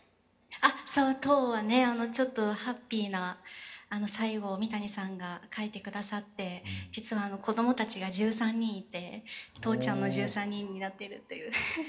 「あっそうトウはねちょっとハッピーな最後を三谷さんが書いてくださって実は子供たちが１３人いてトウちゃんの１３人になってるという。フフフフフ」。